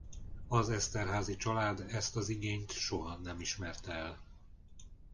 Az Esterházy család ezt az igényt soha nem ismerte el.